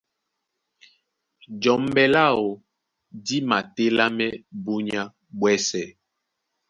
Jɔmbɛ láō dí matélámɛ́ búnyá ɓwɛ́sɛ̄.